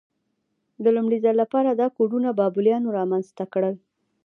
د لومړي ځل لپاره دا کوډونه بابلیانو رامنځته کړل.